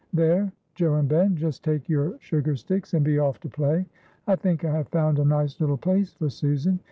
There, Joe and Ben, just take your sugar sticks and be off to play. I think I have found a nice little place for Susan.